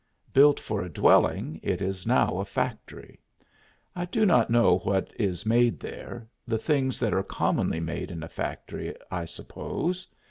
Built for a dwelling, it is now a factory. I do not know what is made there; the things that are commonly made in a factory, I suppose.